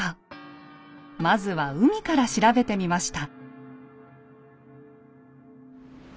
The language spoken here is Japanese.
まずは海から調べてみました。